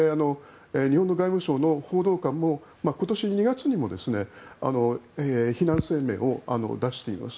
日本の外務省の報道官も今年２月にも非難声明を出しています。